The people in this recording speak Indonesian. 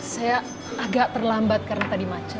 saya agak terlambat karena tadi macet